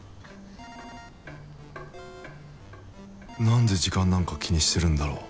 何で時間なんか気にしてるんだろう？